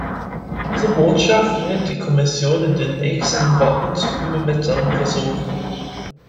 Diese Botschaft wird die Kommission in den nächsten Wochen zu übermitteln versuchen.